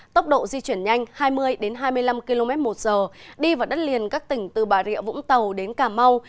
tốc độ di chuyển nhanh hai mươi hai mươi năm km một giờ đi vào đất liền các tỉnh từ bà rịa vũng tàu đến cà mau